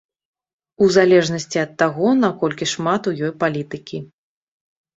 У залежнасці ад таго наколькі шмат у ёй палітыкі.